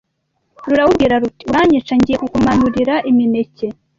rurawubwira ruti uranyica ngiye kukumanurira imineke